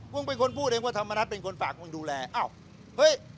เป็นคนพูดเองว่าธรรมนัฐเป็นคนฝากมึงดูแลอ้าวเฮ้ย